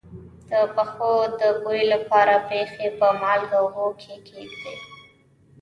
د پښو د بوی لپاره پښې په مالګه اوبو کې کیږدئ